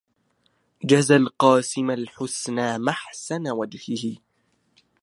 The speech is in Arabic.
جزى القاسم الحسنى محسن وجهه